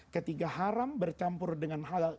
ketika haram bercampur dengan halal